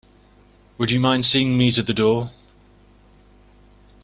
Would you mind seeing me to the door?